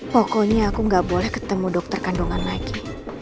pokoknya aku gak boleh ketemu dokter kandungan lagi